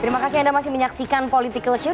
terima kasih anda masih menyaksikan political show